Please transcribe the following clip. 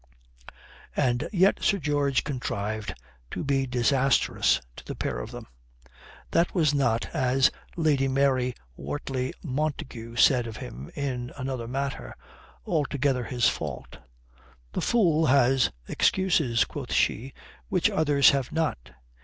And yet Sir George contrived to be disastrous to the pair of them. That was not, as Lady Mary Wortley Montagu said of him in another matter, altogether his fault. "The fool has excuses," quoth she, "which others have not.